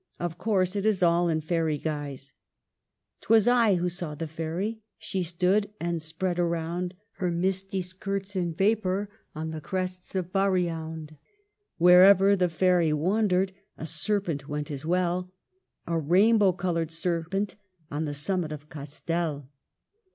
Of course it is all in fairy guise :—" 'T was I who saw the fairy ; She stood and spread around Her misty skirts in vapor On the crests of Bariound. " Where'er the fairy wandered A serpent went as well : A rainbow colored serpent, On the summit of Castel.